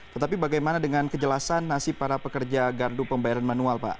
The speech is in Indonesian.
tetapi bagaimana dengan kejelasan nasib para pekerja gardu pembayaran manual pak